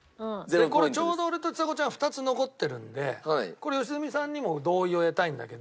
これちょうど俺とちさ子ちゃん２つ残ってるのでこれ良純さんにも同意を得たいんだけど。